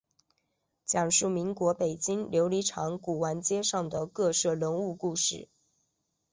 讲述民国北京琉璃厂古玩街上的各色人物故事。